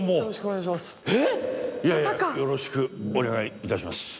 いやよろしくお願いいたします